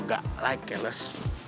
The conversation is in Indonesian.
gak like ya les